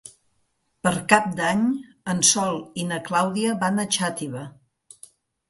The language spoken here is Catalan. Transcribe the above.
Per Cap d'Any en Sol i na Clàudia van a Xàtiva.